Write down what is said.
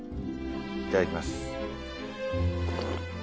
いただきます。